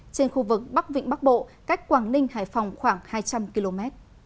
trên khu vực bắc vịnh bắc bộ cách quảng ninh hải phòng khoảng hai trăm linh km